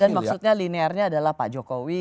dan maksudnya linearnya adalah pak jokowi